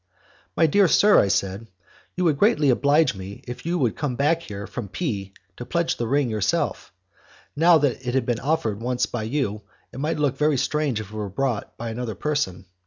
"My dear sir," I said, "you would greatly oblige me if you would come back here from P to pledge the ring yourself. Now that it has been offered once by you, it might look very strange if it were brought by another person.